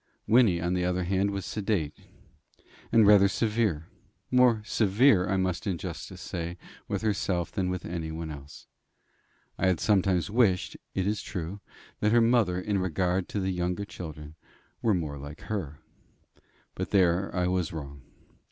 Wynnie, on the other hand, was sedate, and rather severe more severe, I must in justice say, with herself than with anyone else. I had sometimes wished, it is true, that her mother, in regard to the younger children, were more like her; but there I was wrong.